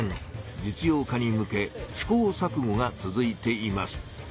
実用化に向け試行さくごが続いています。